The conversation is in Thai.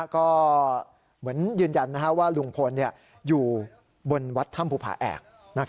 ก็เหมือนยืนยันว่าลุงพลอยู่บนวัดถ้ำภูผาแอก